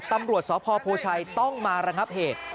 ตำรวจสพโพชัยต้องมาระงับเหตุ